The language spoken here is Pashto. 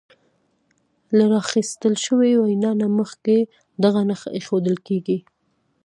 له راخیستل شوې وینا نه مخکې دغه نښه ایښودل کیږي.